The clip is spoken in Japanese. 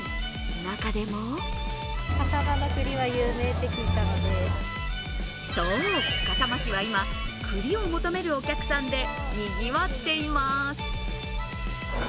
中でもそう、笠間市は今、栗を求めるお客さんでにぎわっています。